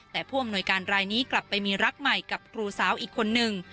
แต่ผู้อำนวยการรายนี้กลับไปมีรักใหม่กับครูสาวอีกคนนึง